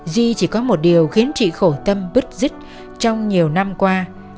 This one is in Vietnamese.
duy chỉ có một điều khiến chị khổ tâm bứt rứt trong nhiều năm qua